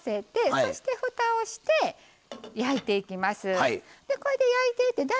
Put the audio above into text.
そして、ふたをして焼いていきます。